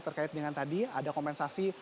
terkait dengan tadi ada kompensasi